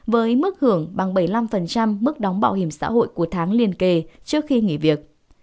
với mức hưởng bằng bảy mươi năm mức đóng bảo hiểm xã hội của tháng liên kề trước khi nghỉ việc